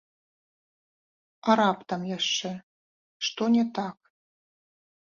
А раптам яшчэ што не так?